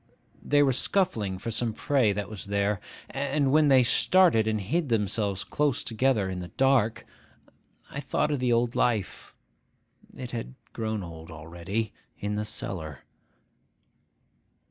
They were scuffling for some prey that was there; and, when they started and hid themselves close together in the dark, I thought of the old life (it had grown old already) in the cellar.